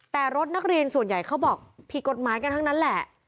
แต่รถนักเรียนส่วนใหญ่เขาบอกผิดกฎหมายกันทั้งนั้นแหละ